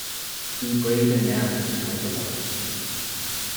Be brave and manly, my beloved!